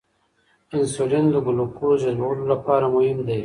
انسولین د ګلوکوز جذبولو لپاره مهم دی.